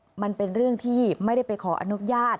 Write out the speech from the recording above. มันเป็นเรื่องที่ไม่ได้ไปขออนุญาต